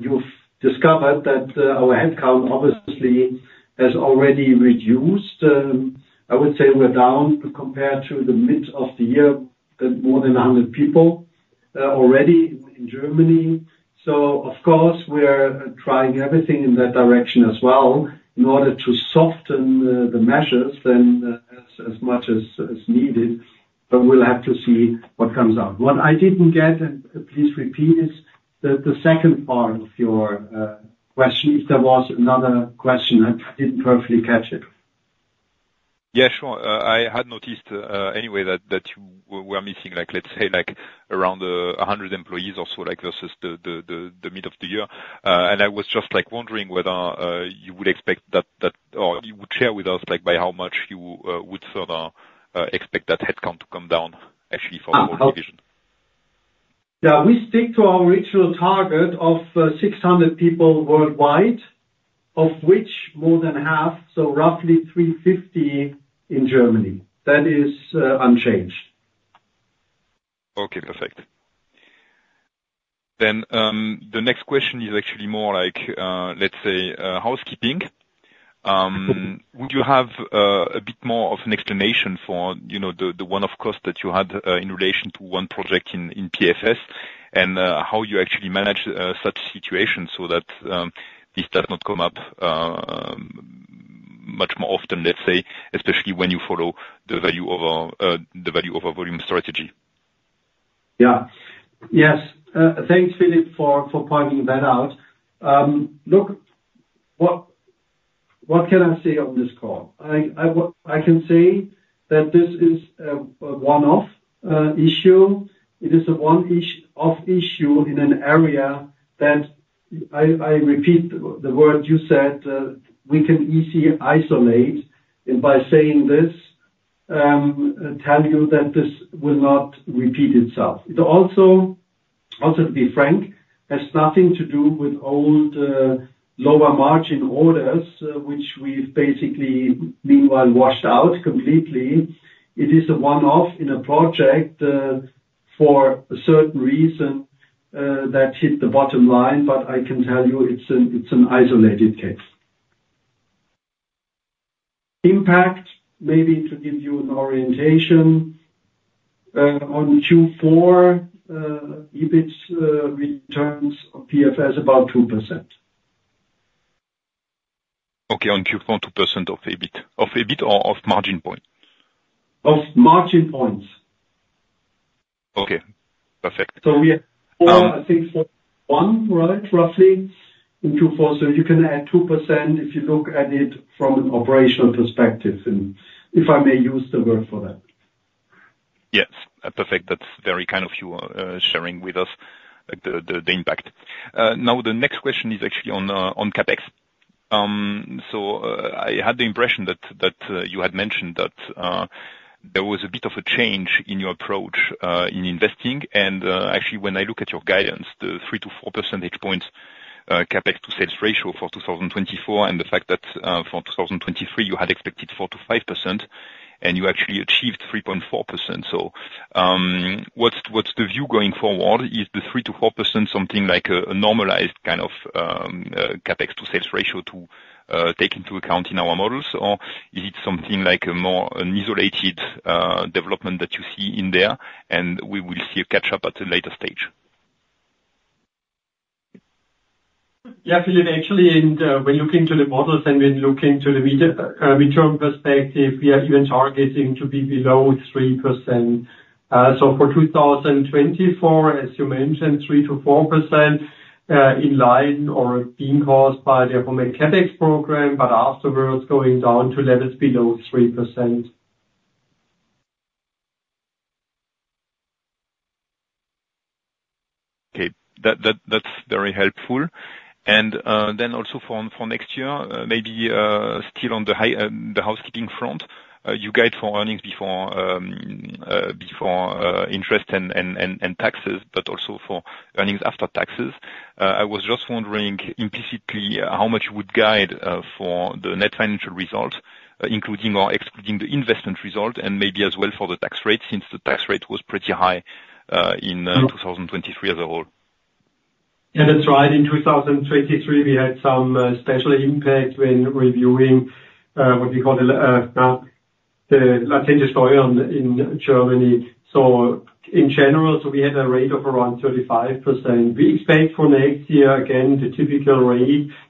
You've discovered that our headcount obviously has already reduced. I would say we're down compared to the mid of the year, more than 100 people already in Germany. So of course, we're trying everything in that direction as well in order to soften the measures as much as needed. But we'll have to see what comes out. What I didn't get and please repeat is the second part of your question if there was another question. I didn't perfectly catch it. Yeah. Sure. I had noticed anyway that you were missing, let's say, around 100 employees or so versus the mid of the year. And I was just wondering whether you would expect that or you would share with us by how much you would further expect that headcount to come down actually for the whole division. Yeah. We stick to our original target of 600 people worldwide, of which more than half, so roughly 350 in Germany. That is unchanged. Okay. Perfect. Then the next question is actually more like, let's say, housekeeping. Would you have a bit more of an explanation for the one-off cost that you had in relation to one project in PFS and how you actually manage such situations so that this does not come up much more often, let's say, especially when you follow the value-over-volume strategy? Yeah. Yes. Thanks, Philippe, for pointing that out. Look, what can I say on this call? I can say that this is a one-off issue. It is a one-off issue in an area that, I repeat the word you said, we can easily isolate. And by saying this, I tell you that this will not repeat itself. Also, to be frank, it has nothing to do with old lower margin orders, which we've basically, meanwhile, washed out completely. It is a one-off in a project for a certain reason that hit the bottom line. But I can tell you it's an isolated case. Impact, maybe to give you an orientation, on Q4, EBIT returns of PFS about 2%. Okay. On Q4, 2% of EBIT or of margin point? Of margin points. Okay. Perfect. I think for one, right, roughly in Q4. You can add 2% if you look at it from an operational perspective, if I may use the word for that. Yes. Perfect. That's very kind of you sharing with us the impact. Now, the next question is actually on CAPEX. I had the impression that you had mentioned that there was a bit of a change in your approach in investing. Actually, when I look at your guidance, the 3-4 percentage points CapEx to sales ratio for 2024 and the fact that for 2023, you had expected 4%-5%, and you actually achieved 3.4%. So what's the view going forward? Is the 3%-4% something like a normalized kind of CapEx to sales ratio to take into account in our models, or is it something like an isolated development that you see in there, and we will see a catch-up at a later stage? Yeah, Philippe. Actually, when looking to the models and when looking to the midterm perspective, we are even targeting to be below 3%. So for 2024, as you mentioned, 3%-4% in line or being caused by the HOMAG CapEx program, but afterwards going down to levels below 3%. Okay. That's very helpful. Then also for next year, maybe still on the housekeeping front, you guide for earnings before interest and taxes, but also for earnings after taxes. I was just wondering implicitly how much you would guide for the net financial result, including or excluding the investment result, and maybe as well for the tax rate since the tax rate was pretty high in 2023 as a whole. Yeah. That's right. In 2023, we had some special impact when reviewing what we call the Latente Steuer in Germany. So in general, we had a rate of around 35%. We expect for next year, again, the typical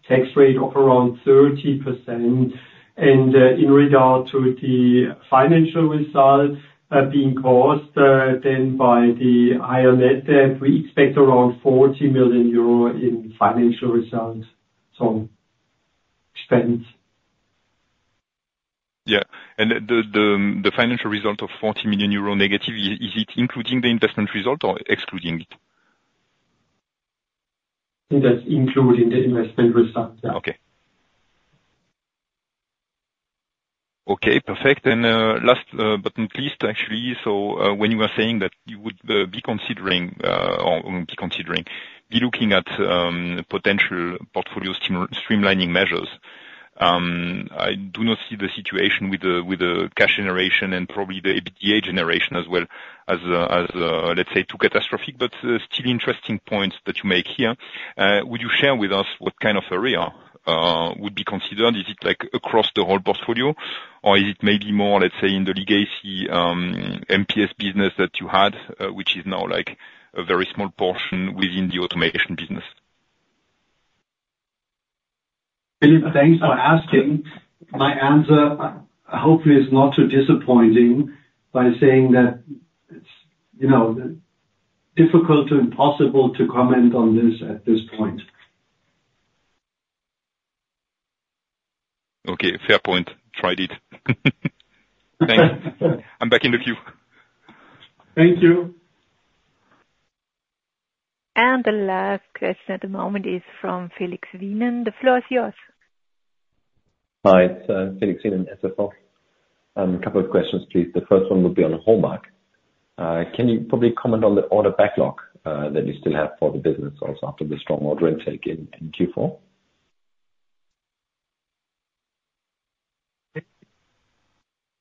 tax rate of around 30%. And in regard to the financial result being caused then by the higher net debt, we expect around 40 million euro in financial result, so expense. Yeah. The financial result of 40 million euro negative, is it including the investment result or excluding it? I think that's including the investment result. Yeah. Okay. Okay. Perfect. And last but not least, actually, so when you were saying that you would be considering or be looking at potential portfolio streamlining measures, I do not see the situation with the cash generation and probably the EBITDA generation as well as, let's say, two catastrophic but still interesting points that you make here. Would you share with us what kind of area would be considered? Is it across the whole portfolio, or is it maybe more, let's say, in the legacy MPS business that you had, which is now a very small portion within the automation business? Philippe, thanks for asking. My answer, hopefully, is not too disappointing by saying that it's difficult or impossible to comment on this at this point. Okay. Fair point. Tried it. Thanks. I'm back in the queue. Thank you. And the last question at the moment is from Felix Wienen. The floor is yours. Hi. It's Felix Wienen at SFO. A couple of questions, please. The first one would be on HOMAG. Can you probably comment on the order backlog that you still have for the business also after the strong order intake in Q4?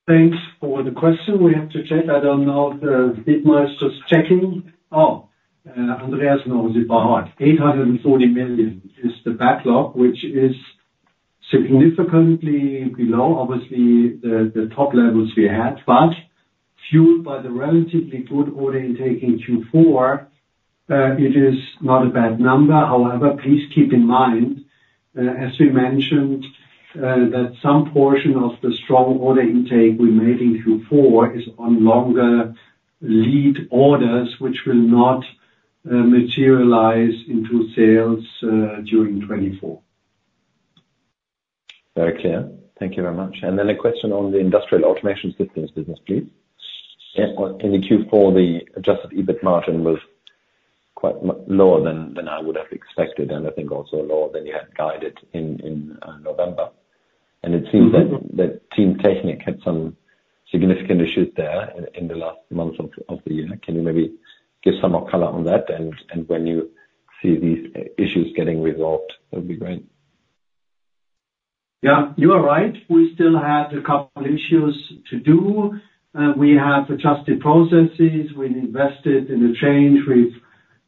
Thanks for the question. We have to check. I don't know if the IR team is just checking. Oh, Andreas knows it by heart. 840 million is the backlog, which is significantly below, obviously, the top levels we had. But fueled by the relatively good order intake in Q4, it is not a bad number. However, please keep in mind, as we mentioned, that some portion of the strong order intake we made in Q4 is on longer lead orders, which will not materialize into sales during 2024. Very clear. Thank you very much. And then a question on the industrial automation systems business, please. In the Q4, the adjusted EBIT margin was quite lower than I would have expected and I think also lower than you had guided in November. And it seems that teamtechnik had some significant issues there in the last months of the year. Can you maybe give some more color on that? And when you see these issues getting resolved, that would be great. Yeah. You are right. We still had a couple of issues to do. We have adjusted processes. We've invested in a change. We've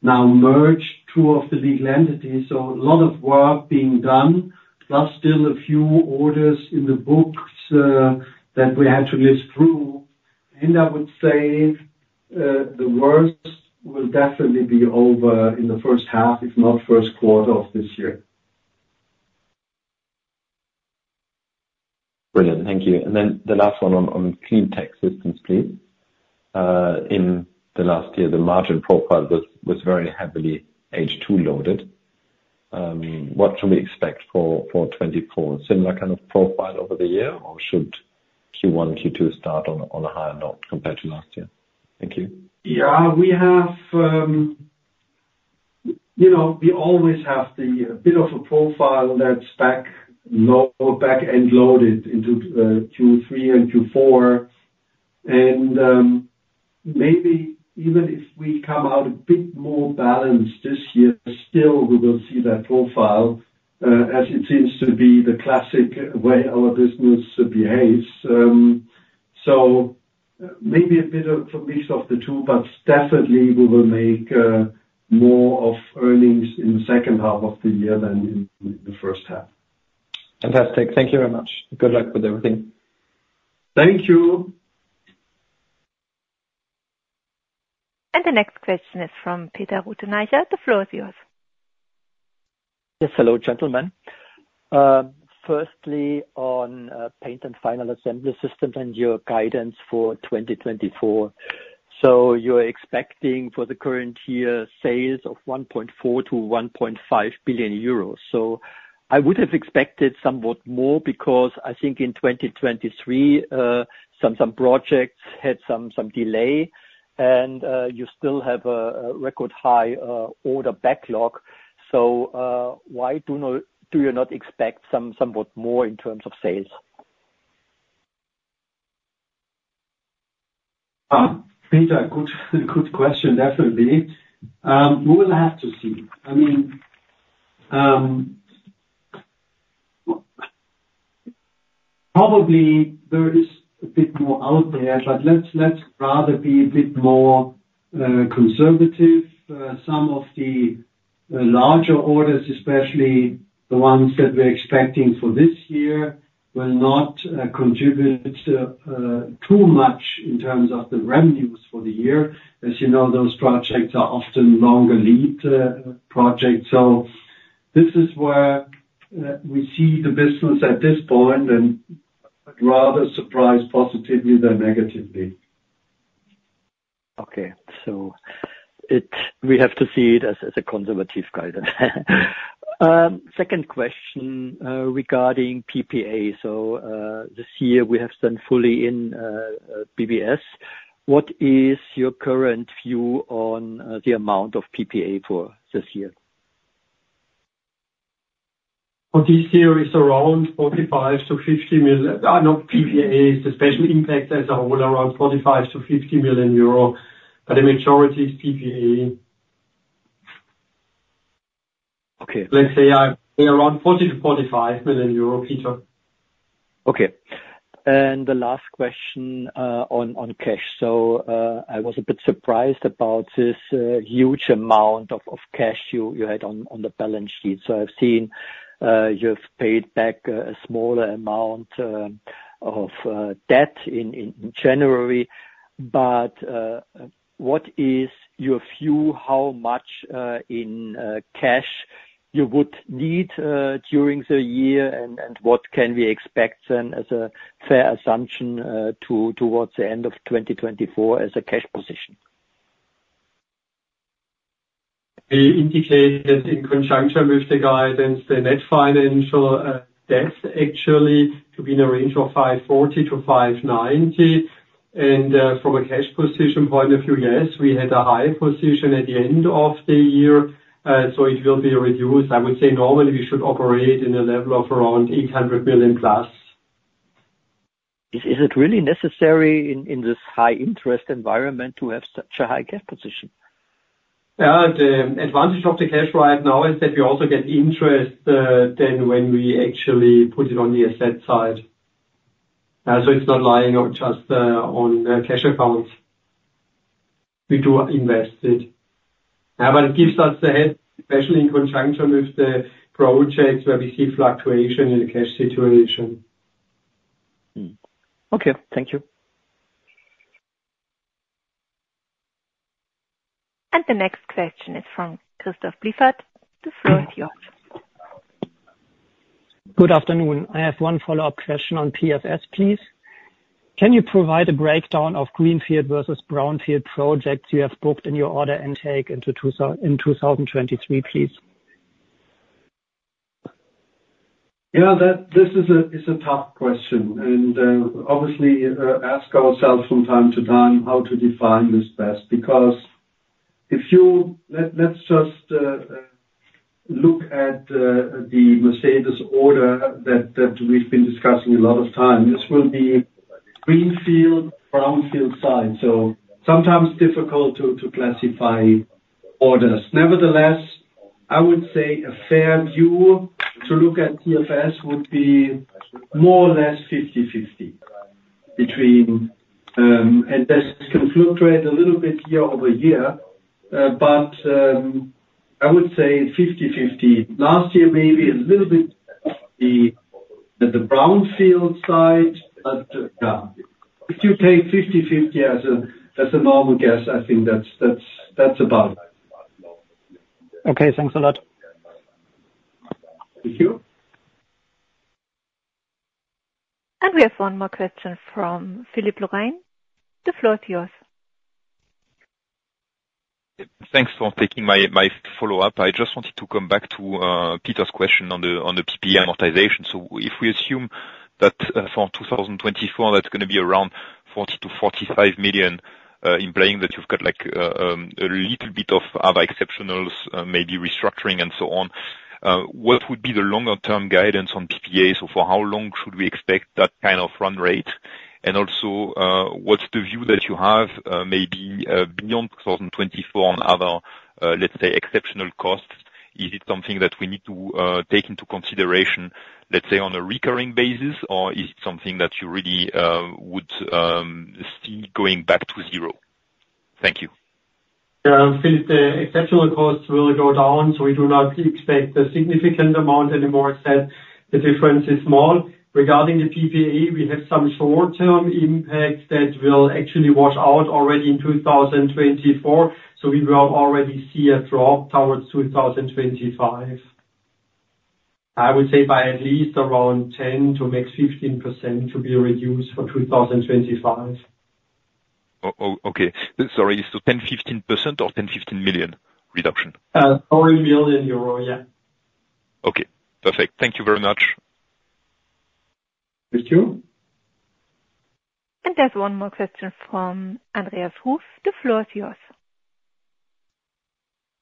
now merged two of the legal entities. So a lot of work being done, plus still a few orders in the books that we had to live through. And I would say the worst will definitely be over in the first half, if not first quarter of this year. Brilliant. Thank you. And then the last one on Clean Tech Systems, please. In the last year, the margin profile was very heavily H2-loaded. What should we expect for 2024? Similar kind of profile over the year, or should Q1, Q2 start on a higher note compared to last year? Thank you. Yeah. We always have a bit of a profile that's back end-loaded into Q3 and Q4. And maybe even if we come out a bit more balanced this year, still, we will see that profile as it seems to be the classic way our business behaves. So maybe a bit of a mix of the two, but definitely, we will make more of earnings in the second half of the year than in the first half. Fantastic. Thank you very much. Good luck with everything. Thank you. And the next question is from Peter Rothenaicher. The floor is yours. Yes. Hello, gentlemen. Firstly, on Paint and Final Assembly Systems and your guidance for 2024. So you're expecting for the current year sales of 1.4 billion-1.5 billion euros. So I would have expected somewhat more because I think in 2023, some projects had some delay, and you still have a record high order backlog. So why do you not expect somewhat more in terms of sales? Peter, good question. Definitely. We will have to see. I mean, probably there is a bit more out there, but let's rather be a bit more conservative. Some of the larger orders, especially the ones that we're expecting for this year, will not contribute too much in terms of the revenues for the year. As you know, those projects are often longer lead projects. So this is where we see the business at this point and rather surprise positively than negatively. Okay. So we have to see it as a conservative guidance. Second question regarding PPA. So this year, we have spent fully in BBS. What is your current view on the amount of PPA for this year? For this year, it's around 45 million-50 million. No, PPA is the special impact as a whole around 45 million-50 million euro, but the majority is PPA. Let's say I pay around 40 million-45 million euro, Peter. Okay. The last question on cash. So I was a bit surprised about this huge amount of cash you had on the balance sheet. So I've seen you've paid back a smaller amount of debt in January. But what is your view how much in cash you would need during the year, and what can we expect then as a fair assumption towards the end of 2024 as a cash position? We indicated in conjunction with the guidance, the net financial debt actually to be in a range of 540 million-590 million. And from a cash position point of view, yes, we had a high position at the end of the year. So it will be reduced. I would say normally, we should operate in a level of around 800 million plus. Is it really necessary in this high-interest environment to have such a high cash position? Yeah. The advantage of the cash right now is that we also get interest then when we actually put it on the asset side. So it's not lying just on cash accounts. We do invest it. But it gives us ahead, especially in conjunction with the projects where we see fluctuation in the cash situation. Okay. Thank you. And the next question is from Christoph Bliffert. The floor is yours. Good afternoon. I have one follow-up question on PFS, please. Can you provide a breakdown of greenfield versus brownfield projects you have booked in your order intake into 2023, please? Yeah. This is a tough question. And obviously, we ask ourselves from time to time how to define this best because if you let's just look at the Mercedes order that we've been discussing a lot of time. This will be greenfield, brownfield side. So sometimes difficult to classify orders. Nevertheless, I would say a fair view to look at PFS would be more or less 50/50 between. This can fluctuate a little bit year-over-year, but I would say 50/50. Last year, maybe a little bit at the brownfield side. But yeah, if you take 50/50 as a normal guess, I think that's about it. Okay. Thanks a lot. Thank you. We have one more question from Philippe Lorrain. The floor is yours. Thanks for taking my follow-up. I just wanted to come back to Peter's question on the PPA amortization. So if we assume that for 2024, that's going to be around 40 million-45 million in PPA, that you've got a little bit of other exceptionals, maybe restructuring and so on, what would be the longer-term guidance on PPA? So for how long should we expect that kind of run rate? And also, what's the view that you have maybe beyond 2024 on other, let's say, exceptional costs? Is it something that we need to take into consideration, let's say, on a recurring basis, or is it something that you really would see going back to zero? Thank you. Yeah. Philippe, the exceptional costs will go down, so we do not expect a significant amount anymore. Instead, the difference is small. Regarding the PPA, we have some short-term impact that will actually wash out already in 2024. So we will already see a drop towards 2025, I would say, by at least around 10%-15% to be reduced for 2025. Okay. Sorry. Is it 10%-15%, or 10-15 million reduction? 40 million euro. Yeah. Okay. Perfect. Thank you very much. Thank you. And there's one more question from Andreas Ruf. The floor is yours.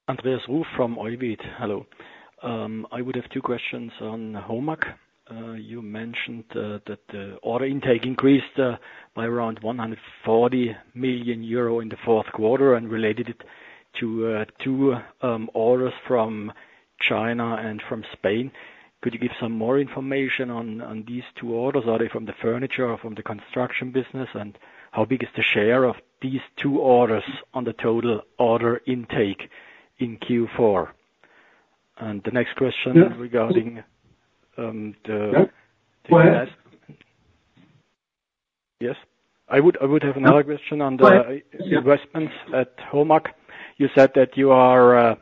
Andreas Ruf from Oybit. Hello. I would have two questions on HOMAG. You mentioned that the order intake increased by around 140 million euro in the fourth quarter and related it to two orders from China and from Spain. Could you give some more information on these two orders? Are they from the furniture or from the construction business? And how big is the share of these two orders on the total order intake in Q4? And the next question regarding the investment. Yes? I would have another question on the investments at HOMAG. You said that you are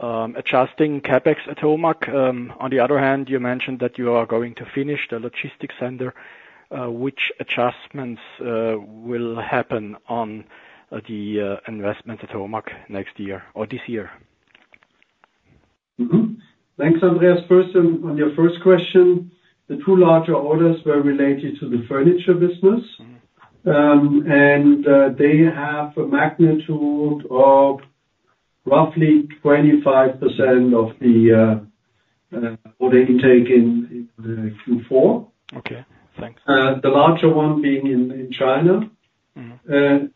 adjusting CAPEX at HOMAG. On the other hand, you mentioned that you are going to finish the logistics center. Which adjustments will happen on the investments at HOMAG next year or this year? Thanks, Andreas. First, on your first question, the two larger orders were related to the furniture business, and they have a magnitude of roughly 25% of the order intake in Q4. The larger one being in China.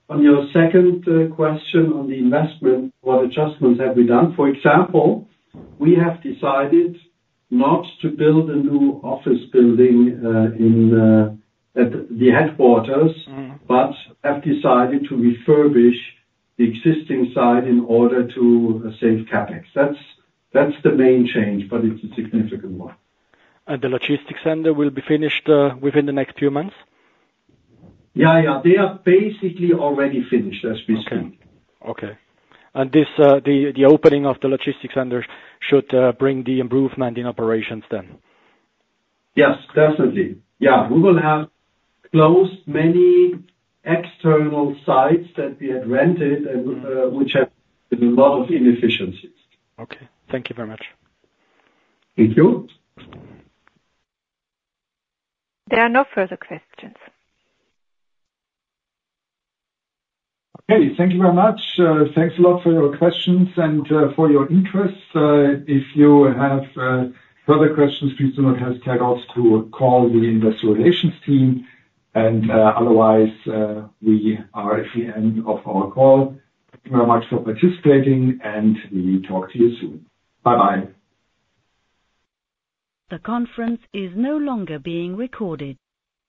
On your second question on the investment, what adjustments have we done? For example, we have decided not to build a new office building at the headquarters, but have decided to refurbish the existing site in order to save CAPEX. That's the main change, but it's a significant one. And the logistics center will be finished within the next few months? Yeah. Yeah. They are basically already finished, as we speak. Okay. And the opening of the logistics center should bring the improvement in operations then? Yes. Definitely. Yeah. We will have closed many external sites that we had rented, which have been a lot of inefficiencies. Okay. Thank you very much. Thank you. There are no further questions. Okay. Thank you very much. Thanks a lot for your questions and for your interest. If you have further questions, please do not hesitate also to call the investor relations team. Otherwise, we are at the end of our call. Thank you very much for participating, and we talk to you soon. Bye-bye. The conference is no longer being recorded.